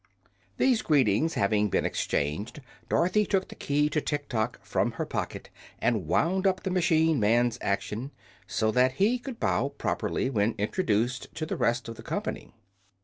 These greetings having been exchanged, Dorothy took the key to Tiktok from her pocket and wound up the machine man's action, so that he could bow properly when introduced to the rest of the company.